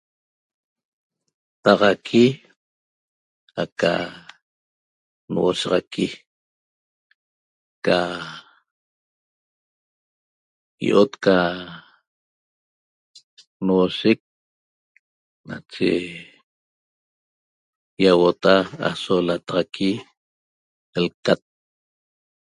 Taxaqui aca nhuoshaxaqui ca io'ot ca nahuoshec nache iahuota'a aso lataxaqui lcat